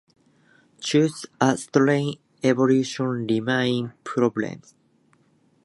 Thus, a straight evaluation remains problematic.